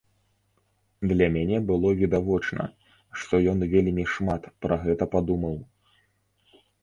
Для мяне было відавочна, што ён вельмі шмат пра гэта падумаў.